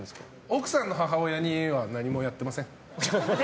奥さんの母親には何もやってません。